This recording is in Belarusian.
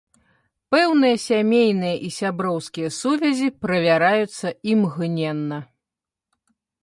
Пэўныя сямейныя і сяброўскія сувязі правяраюцца імгненна.